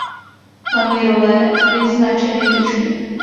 Hlavní role vyznačeny tučně.